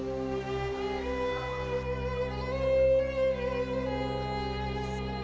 di mana juga diperkenalkan